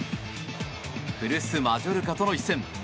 古巣マジョルカとの一戦。